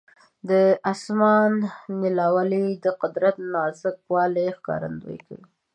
د اسمان نیلاوالی د قدرت نازک والي ښکارندویي کوي.